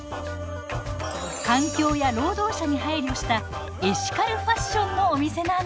環境や労働者に配慮したエシカルファッションのお店なんです。